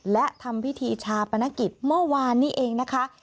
และทำพิธีชาปนกิจเมื่อวานนี้เองนะคะ